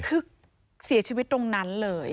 คือเสียชีวิตตรงนั้นเลย